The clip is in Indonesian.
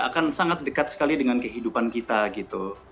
akan sangat dekat sekali dengan kehidupan kita gitu